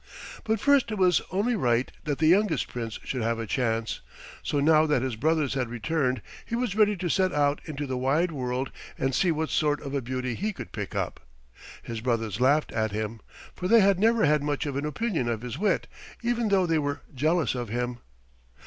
But first it was only right that the youngest Prince should have a chance, so now that his brothers had returned he was ready to set out into the wide world and see what sort of a beauty he could pick up. His brothers laughed at him, for they had never had much of an opinion of his wit, even though they were jealous of him.